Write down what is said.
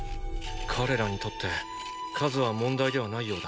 彼らにとって数は問題ではないようだ。